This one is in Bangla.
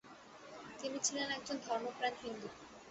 তিনি ছিলেন একজন ধর্মপ্রাণ হিন্দু।